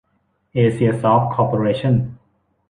เอเชียซอฟท์ คอร์ปอเรชั่น